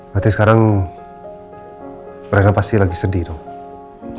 berarti sekarang reyna pasti lagi sedih tuh